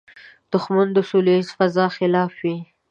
دښمن د سولیزې فضا خلاف وي